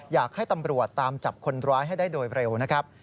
อยากให้ตำรวจตามจับคนร้ายให้ได้โดยเร็วนะครับ